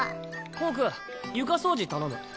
ホーク床掃除頼む。